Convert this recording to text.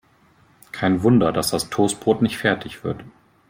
Kein Wunder, dass das Toastbrot nicht fertig wird.